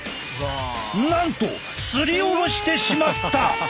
なんとすりおろしてしまった！